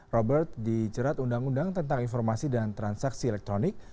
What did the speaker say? robert dicerat undang undang tentang informasi dan transaksi elektronik